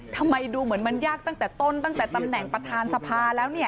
ทำไมดูเหมือนมันยากตั้งแต่ต้นตั้งแต่ตำแหน่งประธานสภาแล้วเนี่ย